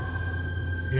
いや。